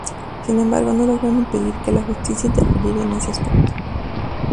Sin embargo no lograron impedir que la justicia interfiera en ese aspecto.